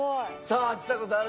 さあちさ子さん